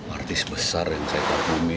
artis besar yang saya tak pahami